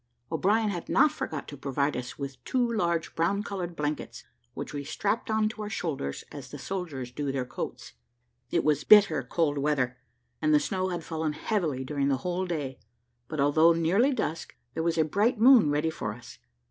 O'Brien had not forgot to provide us with two large brown coloured blankets, which we strapped on to our shoulders, as the soldiers do their coats. It was bitter cold weather, and the snow had fallen heavily during the whole day; but although nearly dusk, there was a bright moon ready for us.